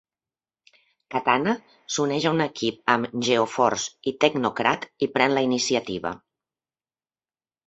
Katana s'uneix a un equip amb Geo-Force i Technocrat, i pren la iniciativa.